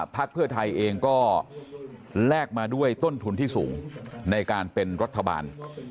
พักเพื่อไทยเองก็แลกมาด้วยต้นทุนที่สูงในการเป็นรัฐบาล